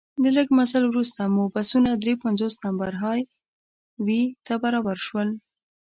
له لږ مزل وروسته مو بسونه درې پنځوس نمبر های وې ته برابر شول.